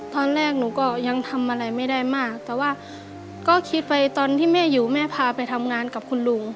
ตอนแรกหนูก็ยังทำอะไรไม่ได้มากแต่ว่าก็คิดไปตอนที่แม่อยู่แม่พาไปทำงานกับคุณลุง